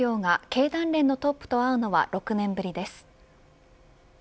韓国の大統領が経団連のトップと会うのは６年ぶりです。